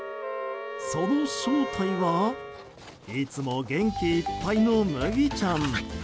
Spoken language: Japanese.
その正体はいつも元気いっぱいの麦ちゃん。